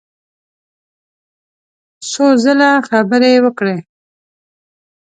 څو ځله خبرې وکړې.